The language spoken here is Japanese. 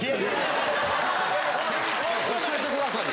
教えて下さいよ！